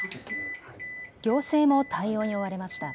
行政も対応に追われました。